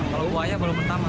kalau buaya baru pertama